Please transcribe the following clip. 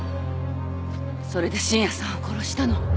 それで信也さんを殺したの？